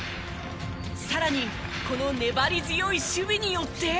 更にこの粘り強い守備によって。